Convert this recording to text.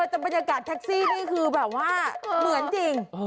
แต่บรรยากาศแท็กซี่นี่คือแบบว่าเหมือนจริง